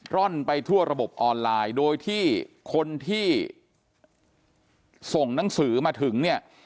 ร่อนไปทั่วระบบออนไลน์โดยที่คนที่ส่งหนังสือมาถึงเนี่ย